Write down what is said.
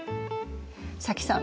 早紀さん